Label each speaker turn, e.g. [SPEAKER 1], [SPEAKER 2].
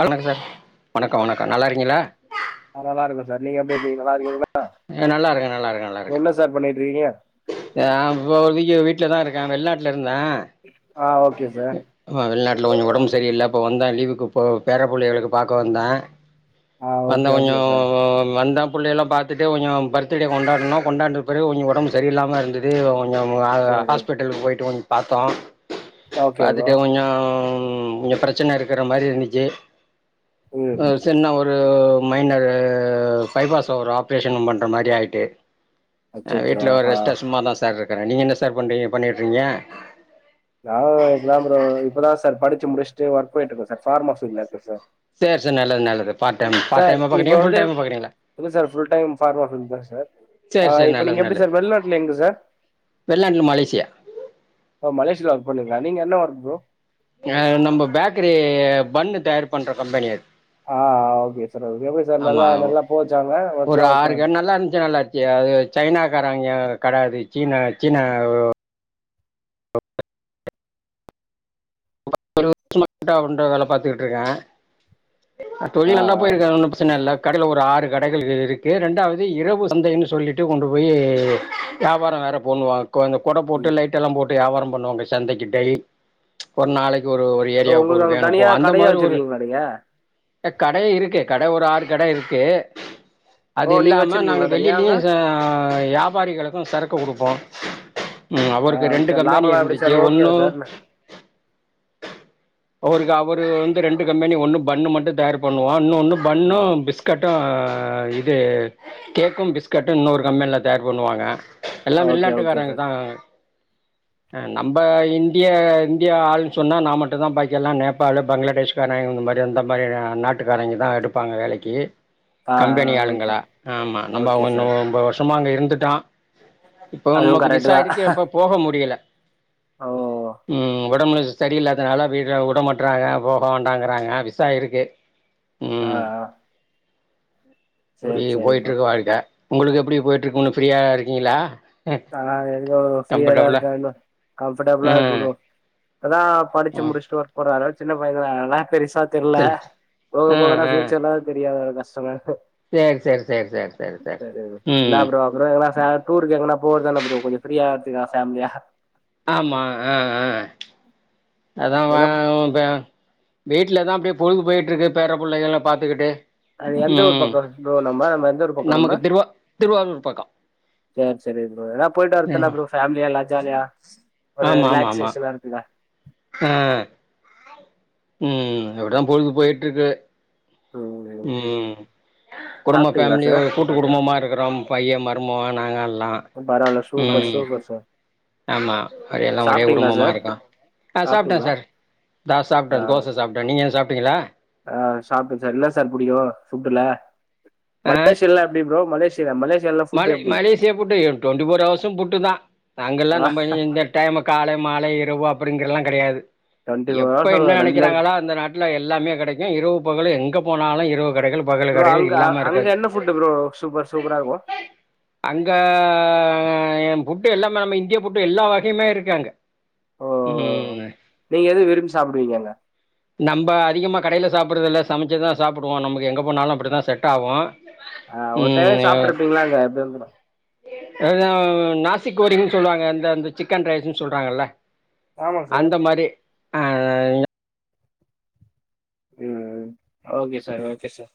[SPEAKER 1] வணக்கம் வணக்கம் நல்லாருக்கீங்களா
[SPEAKER 2] நா நல்லா இருக்கோ சார் நீங்க எப்டி இருக்கீங்க நல்லா இருக்கீங்களா
[SPEAKER 1] எ நல்லாருக்கே நல்லாருக்கே நல்லாருக்கே
[SPEAKER 2] என்ன சார் பண்ணிட்டுருக்கீங்க
[SPEAKER 1] நா இப்போதைக்கி வீட்லதா இருக்கே வெளிநாட்டுல இருந்தே
[SPEAKER 2] ஆ ஓகே சார்
[SPEAKER 1] ஆ வெளிநாட்டில கொஞ்சோ ஒடம்பு சரியில்ல அப்ப‌ வந்தே லீவுக்கு போ பேர புள்ளைகள பாக்க வந்தே
[SPEAKER 2] ஆ
[SPEAKER 1] வந்த
[SPEAKER 2] ஓகே
[SPEAKER 1] கொஞ்சோ
[SPEAKER 2] ஓகே சார்
[SPEAKER 1] வந்த புள்ளையெல்லா பாத் துட்டு கொஞ்சோ பர்த்துடே கொண்டாடனு கொண்டாட்ட பெறகு கொஞ்சோ ஒடம்பு சரியில்லாம இருந்தது கொஞ்சோ அ அ
[SPEAKER 2] சரி
[SPEAKER 1] ஹாஸ்பிட்டலுக்கு போய்ட்டு வந்து பாத்தோ
[SPEAKER 2] ஓகே ப்ரோ
[SPEAKER 1] பாத்துட்டு கொஞ்சோ இங்க பிரச்சன இருக்குற மாறி இருந்துச்சு
[SPEAKER 2] ம்
[SPEAKER 1] அ சின்ன ஒரு மைனர்ரு பைபாஸ் ஒரு ஆப்ரேஷன் பண்ற மாரி ஆயிட்டு ஆ
[SPEAKER 2] அச்சச்சோ
[SPEAKER 1] வீட்ல ஒரு
[SPEAKER 2] ஆ
[SPEAKER 1] ரெஸ்ட்ல சும்மாதா சார் இருக்குறே நீங்க என்ன சார் பண்றீங்க பண்ணிட்டுறீங்க
[SPEAKER 2] நா இப்பதா ப்ரே இப்பதா சார் படிச்சு முடிச்சுட்டு ஒர்க் போயிட்டு இருக்கே சார் பார்மஸில இருக்க சார்
[SPEAKER 1] சேரி சார் நல்லது நல்லது பார்ட் டைம் பார்ட்
[SPEAKER 2] சார்
[SPEAKER 1] டைமா
[SPEAKER 2] இப்ப
[SPEAKER 1] பாக்குறீங்களா ஃபுல்
[SPEAKER 2] வந்து
[SPEAKER 1] டைமா பாக்குறீங்களா
[SPEAKER 2] இல்ல சார் புல் டைம் ஃபார்ம்ம ஃபுல் தா சார் ஆ
[SPEAKER 1] சேர் சேரி
[SPEAKER 2] இப்ப
[SPEAKER 1] நல்லது
[SPEAKER 2] நீங்க எப்டி
[SPEAKER 1] நல்லது
[SPEAKER 2] சார் வெளிநாட்டுல எங்க சார்
[SPEAKER 1] வெளிநாட்ல மலேசியா
[SPEAKER 2] ஓ மலேசியாவுல ஒர்க் பண்ணுறீங்களா நீங்க என்ன ஒர்க் ஃப்ரோ
[SPEAKER 1] நம்ம பேக்கரி பன்னு தயார் பண்ற கம்பெனியது
[SPEAKER 2] ஆ ஓகே சார் எப்டி சார் நல்லா நல்லா போச்சாங்க ஓர்க்லா ஓகே
[SPEAKER 1] நல்லருந்துச்சு நல்லா எ அது சைனாக்காரவய்ங்க கட அது சீனா சீனா ஓ [inaudible] ஒரு வருசமா அவன்ட வேல பாத்துக்கிட்டுருக்கே
[SPEAKER 2] ஆ
[SPEAKER 1] தொழில் நல்லா
[SPEAKER 2] ஆ
[SPEAKER 1] போயிருக்கு அது ஒன்னு பிரச்சன இல்ல கடையில ஒரு ஆறு கடைகள் இருக்கு ரெண்டாவது இரவு சந்தைன்னு சொல்லிட்டு கொண்டு போய் வியாபாரோ வேற போன்னுவாஙக் கூட
[SPEAKER 2] ம்
[SPEAKER 1] போட்டு லைட்டெல்லா போட்டு வியாபாரே பண்ணுவாங்க சந்தைக்கி டெய் ஒரு நாளைக்கி ஒரு ஒரு ஏரியாவுக்கு
[SPEAKER 2] உங்களுக்கு
[SPEAKER 1] ஒரு
[SPEAKER 2] அங்க
[SPEAKER 1] வேணு
[SPEAKER 2] தனியா
[SPEAKER 1] போவு அந்த
[SPEAKER 2] கடையா
[SPEAKER 1] மாரி ஒரு
[SPEAKER 2] வச்சிருக்கீங்களா நீங்க
[SPEAKER 1] ஏ கட இருக்கு கட ஒரு ஆறு கட இருக்கு
[SPEAKER 2] ஓ
[SPEAKER 1] அது
[SPEAKER 2] நீங்க
[SPEAKER 1] இல்லாம நாங்க
[SPEAKER 2] வச்சிருக்கீங்களா தனியா
[SPEAKER 1] வெளிலயு
[SPEAKER 2] அங்க
[SPEAKER 1] வியாபாரிகளுக்கு சரக்கு குடுப்போ ம்
[SPEAKER 2] ஆ
[SPEAKER 1] அவருக்கு ரெண்டு
[SPEAKER 2] சார்
[SPEAKER 1] கம்பெனி
[SPEAKER 2] லாபம்லா எப்டி
[SPEAKER 1] இருந்துச்சு
[SPEAKER 2] சார் ஓகேவா
[SPEAKER 1] ஒன்னு
[SPEAKER 2] சார்
[SPEAKER 1] அவருக்கு அவரு வந்து ரெண்டு கம்பெனி ஒன்னு பண்ணு மட்டு தயார் பண்ணுவோ இன்ன ஒன்னு பண்ணு பிஸ்கட் ட்டு இது கேக்கு பிஸ்கட்டு இன்னொரு கம்பெனில தயார் பண்ணுவாங்க எல்லா
[SPEAKER 2] ஓகே ஓகே
[SPEAKER 1] வெளிநாட்டுக்காரங்க
[SPEAKER 2] சார்
[SPEAKER 1] தா அ நம்ம இந்தியா இந்தியா ஆள்ன்னு சொன்னா நா மட்டு தா பாக்கி எல்லா நேபாளு பங்களாதேஷ்கறே இந்த மாரி அந்த மாரி நாட்டுக்காரங்கே தா எடு ப்பாங்க வேலைக்கி
[SPEAKER 2] ஆ
[SPEAKER 1] கம்பெனி
[SPEAKER 2] ஓகே
[SPEAKER 1] ஆளுங்களா ஆமா நம்ம
[SPEAKER 2] ஓகே
[SPEAKER 1] ஒன்னு
[SPEAKER 2] சார்
[SPEAKER 1] ஒம்போது வருஷமா அங்க இருந்துட்டோ இப்ப
[SPEAKER 2] அதுவு
[SPEAKER 1] நமக்கு
[SPEAKER 2] கரெக்ட்
[SPEAKER 1] விசா
[SPEAKER 2] தா
[SPEAKER 1] இருக்கு இப்ப போக முடியல
[SPEAKER 2] ஓ
[SPEAKER 1] ம் ஒடம்பு ஸ்டெடி இல்லாதனால வீட்ல உடமாட்றாங்க போகோண்டாறாங்க விசா இருக்கு
[SPEAKER 2] ஆ ஆ
[SPEAKER 1] அப்டி
[SPEAKER 2] சேரி சேரி
[SPEAKER 1] போயிட்டு
[SPEAKER 2] ப்ரோ
[SPEAKER 1] இருக்கு வாழ்க்க உங்களுக்கு எப்டி போயிட்டு இருக்க ஒன்னு ஃப்ரீயா இருக்கீங்களா
[SPEAKER 2] ஆ என்கோ ஃப்ரீயா தா
[SPEAKER 1] கம்ஃபர்டபுளா
[SPEAKER 2] இருக்கா இன்னு கம்ஃபர்டபிளா இருக்கு
[SPEAKER 1] ம்
[SPEAKER 2] ஃப்ரோ இப்பதா படிச்சு
[SPEAKER 1] ம்
[SPEAKER 2] முடிச்சுட்டு ஒர்க் போற அதுனால சின்ன பையதானே அதனால பெருசா தெரில்ல
[SPEAKER 1] சரி
[SPEAKER 2] போக
[SPEAKER 1] ஆ
[SPEAKER 2] போகதா
[SPEAKER 1] ஆ
[SPEAKER 2] ஃப்யூச் [unintelligible] தெரியாது ஒரு கஷ்டமே
[SPEAKER 1] சேரி சேரி சேரி சேரி சேரி சேர்
[SPEAKER 2] என்ன
[SPEAKER 1] ம்
[SPEAKER 2] ப்ரோ அப்றோ என்ன சார் டூருக்கு எங்கன போறத ப்ரோ கொஞ்ச ஃப்ரீ அரத்துக்கு [unintelligible] ஃபேமிலியா
[SPEAKER 1] ஆமா ஆ ஆ அதா [unintelligible]
[SPEAKER 2] எங்கனா
[SPEAKER 1] வீட்டுல தா அப்டியே பொழுகு போய்ட்டு இருக்கு பேர பிள்ளகளா பாத்துக்கிட்டு
[SPEAKER 2] அது எந்த ஒரு
[SPEAKER 1] ம்
[SPEAKER 2] பக்கோ ப்ரோ நம்ப நம்ப எந்த ஒரு பக்கோ நம்ப
[SPEAKER 1] நமக்கு திருவா திருவாரூர் பக்கோ
[SPEAKER 2] சேரி சேரி ப்ரோ எங்னா போய்ட்டு வருத்தனா
[SPEAKER 1] ஆமா
[SPEAKER 2] ப்ரோ ஃபேமிலியா எல்லா ஜாலியா ஒரு ரிலாக்சேஷன்னா இருக்குல
[SPEAKER 1] ம் ம் அப்டிதா பொழுது போய்ட்டு இருக்கு
[SPEAKER 2] ம்
[SPEAKER 1] ம் குடும்ப
[SPEAKER 2] சாப்ட்டீங்களா
[SPEAKER 1] ஃபேமிலி
[SPEAKER 2] சார்
[SPEAKER 1] ஒரு கூட் டுகுடும்பமா இருக்கிறோ பைய மருமக நாங்க எல்லா
[SPEAKER 2] ம் பாரவால்ல சூப்பர்
[SPEAKER 1] ம்
[SPEAKER 2] சூப்பர் சார்
[SPEAKER 1] ஆமா எல்லா ஒரே
[SPEAKER 2] சாப்ட்டீங்களா
[SPEAKER 1] குடுபமா
[SPEAKER 2] சார்
[SPEAKER 1] இருக்கோ ஆ சாப்ட்டே
[SPEAKER 2] சாப்ட்டீங்களா
[SPEAKER 1] சார் நா சாப்ட்டே
[SPEAKER 2] ஆ
[SPEAKER 1] தோசை சாப்ட்டே நீங்க ஏது சாப்ட்டீங்களா
[SPEAKER 2] ஆ சாப்ட்டே சார் என்னா சார் புடிக்கு ஃபுட்டுல மலேசியல்லா எப்டி ப்ரோ மலேசி யேல மலேசியால்லா
[SPEAKER 1] மல மலேசியா புட்டு டுவெண்ட்டி ஃபோர் ஹர்ஸு புட்டு தா நாங்கெல்லா
[SPEAKER 2] ஆ
[SPEAKER 1] நம்ப இ இந்த டைமு காலை மாலை இரவு அப்டிங்கிறல்லா கெடையாது
[SPEAKER 2] டுவெண்ட்டி ஃபோர்
[SPEAKER 1] எப்ப என்ன
[SPEAKER 2] ஹவர்ஸ் ரன்லயே இருக்கு
[SPEAKER 1] நெனைக்கிறாங்களோ அந்த நாட் டுல எல்லாமே கெடைக்கு இரவு பகலு எங்க போனாலு இரவு கடைகள் பகலு
[SPEAKER 2] ப்ரோ
[SPEAKER 1] கடைகள்
[SPEAKER 2] அங்க
[SPEAKER 1] இல்லாம
[SPEAKER 2] அங்க
[SPEAKER 1] இருக்காது
[SPEAKER 2] என்ன ஃபுட்டு ப்ரோ சூப்பர் சூப்பரா இருக்கு
[SPEAKER 1] அங்க எ ஃபுட்டு எல்லாமே நம்ம இந்தியா ஃபுட்டு எல்லா வகையுமே இருக்கு அங்க
[SPEAKER 2] ஓ
[SPEAKER 1] ம்
[SPEAKER 2] நீங்க எது விரும்பி சாப்டுவீங்க அங்க
[SPEAKER 1] நம்ப அதிகமாக கடையில சாப்ட்றதுல்ல சமைச்சு தா சாப்டுவோ நமக்கு எங்க போனாலு அப்டி தா செட் ஆவு
[SPEAKER 2] ஆ ஒரு டைம் சாப்ட்டு இருப்பீங்களா அங்க எப்டி இருந்தாலு
[SPEAKER 1] எதோ நாசி கேரிங்கன்னு சொல்லுவாங்க இந்த இந்த சிக்கன் ரைஸ்ஸுன்னு சொல்றாங்கல்ல
[SPEAKER 2] ஆமா சார்
[SPEAKER 1] அந்த மாரி
[SPEAKER 2] ம் ம் ஓகே சார் ஓகே சார்